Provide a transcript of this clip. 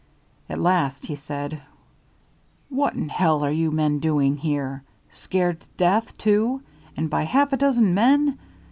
At last he said: "What in hell are you men doing here? Scared to death, too; and by half a dozen men!